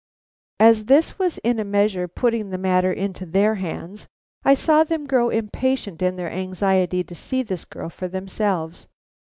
As this was in a measure putting the matter into their hands, I saw them both grow impatient in their anxiety to see this girl for themselves.